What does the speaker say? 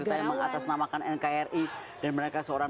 atas namakan nkri dan mereka seorang